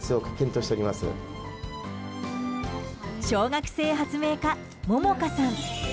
小学生発明家、杏果さん。